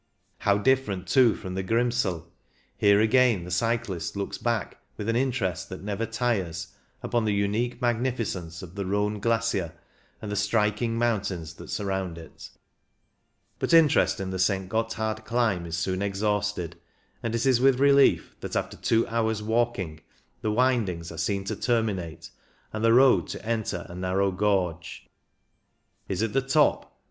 How different, too, from the Grimsel ! Here again the cyclist looks back, with an interest that never tires, upon the unique magnificence of the Rhone glacier and the striking mountains that surround it. But interest in the St. Gotthard climb is soon exhausted, and it is with relief that, after two hours' walking, the windings are seen to terminate and the road to enter a narrow gorge. Is it the top?